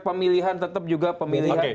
pemilihan tetap juga pemilihan